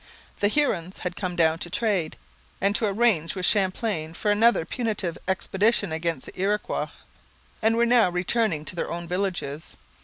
The Hurons had come down to trade, and to arrange with Champlain for another punitive expedition against the Iroquois, and were now returning to their own villages.